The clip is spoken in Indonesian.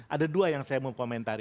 ada dua yang saya mau komentari